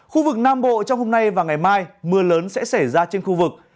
khu vực nam bộ trong hôm nay và ngày mai mưa lớn sẽ xảy ra trên khu vực